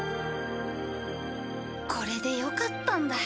これでよかったんだ。